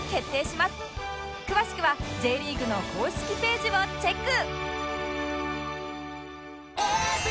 詳しくは Ｊ リーグの公式ページをチェック！